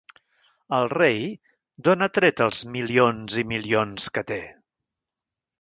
El rei d’on ha tret els milions i milions que té?